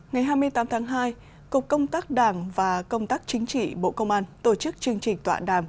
ngày hai mươi tám tháng hai cục công tác đảng và công tác chính trị bộ công an tổ chức chương trình tọa đàm